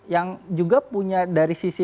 yang juga punya dari sisi